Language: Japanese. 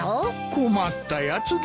困ったやつだ。